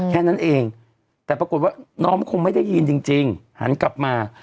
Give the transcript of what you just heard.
แค่นั้นเองแต่ปรากฏว่าน้องคงไม่ได้ยินจริงหันกลับมา